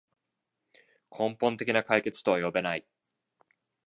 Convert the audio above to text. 根本的な解決とは呼べない